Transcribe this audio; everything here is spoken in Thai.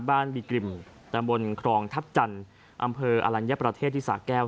บีกริมตำบลครองทัพจันทร์อำเภออลัญญประเทศที่สาแก้ว